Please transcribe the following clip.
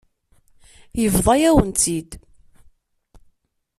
Yebḍa-yawen-tt-id.